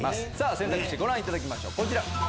選択肢ご覧いただきましょう。